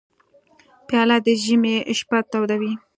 پیاله د ژمي شپه تودوي.